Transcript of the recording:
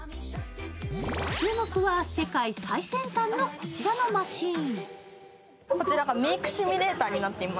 注目は世界最先端のこちらのマシン。